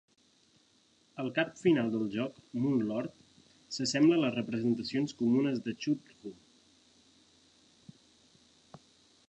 El cap final del joc, Moon Lord, s'assembla a les representacions comunes de Cthulhu.